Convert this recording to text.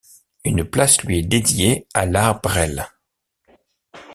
Une place lui est dédiée à L'Arbresle.